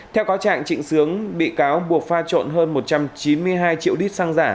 theo cáo trạng trịnh sướng bị cáo buộc pha trộn hơn một trăm chín mươi hai triệu lít xăng giả